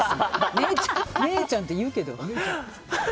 姉ちゃんって言うけど。